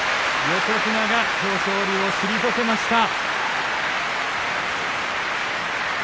横綱が豊昇龍を退けました。